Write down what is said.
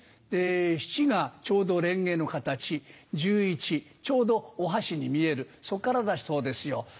７がちょうどれんげの形１１ちょうどお箸に見えるそこからだそうですよ。